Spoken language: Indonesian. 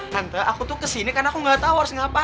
hanta aku tuh kesini karena aku gak tau harus ngapain